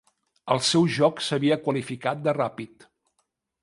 El seu joc s'havia qualificat de ràpid.